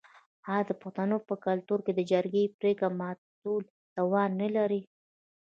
آیا د پښتنو په کلتور کې د جرګې پریکړه ماتول تاوان نلري؟